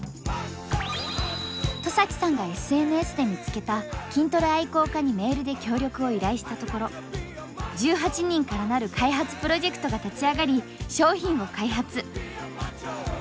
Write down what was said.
戸崎さんがＳＮＳで見つけた筋トレ愛好家にメールで協力を依頼したところ１８人からなる開発プロジェクトが立ち上がり商品を開発。